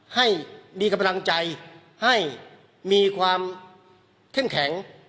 ให้มีกำลังใจให้มีความเข้มแข็ง